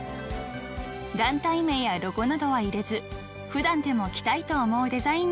［団体名やロゴなどは入れず普段でも着たいと思うデザインに］